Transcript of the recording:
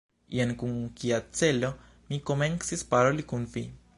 Jen kun kia celo mi komencis paroli kun vi!